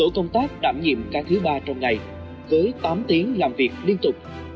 tổ công tác đảm nhiệm ca thứ ba trong ngày với tám tiếng làm việc liên tục